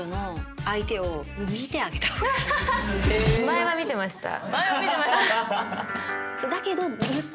前は見てました。